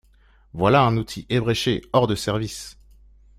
Voilà un outil ébréché, hors de service !…